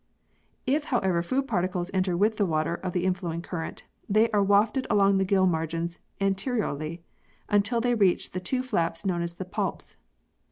If however food particles enter with the water of the inflowing current, they are wafted along the gill margins anteriorly, until they reach the two flaps known as the palps.